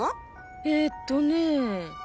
えっとね。